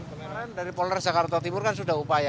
kemarin dari polres jakarta timur kan sudah upaya